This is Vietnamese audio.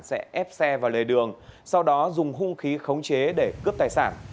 sẽ ép xe vào lề đường sau đó dùng hung khí khống chế để cướp tài sản